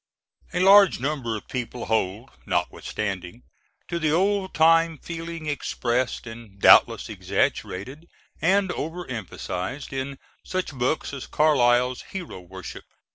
A large number of people hold, notwithstanding, to the old time feeling expressed, and doubtless exaggerated and over emphasized, in such books as Carlyle's Hero Worship.